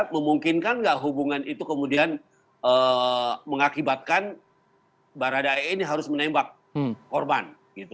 memungkinkan gak hubungan itu kemudian mengakibatkan barada e ini harus menembak korban